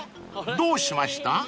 どうしました？］